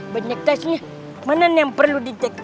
banyak tasnya mana nih yang perlu ditek